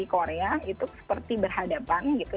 korea itu seperti berhadapan gitu